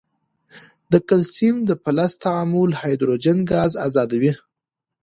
د کلسیم د فلز تعامل هایدروجن ګاز آزادوي.